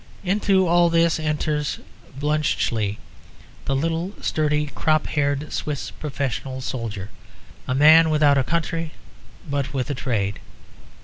Into all this enters Bluntschli, the little sturdy crop haired Swiss professional soldier, a man without a country but with a trade.